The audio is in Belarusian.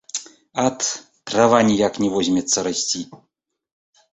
Ат, трава ніяк не возьмецца расці.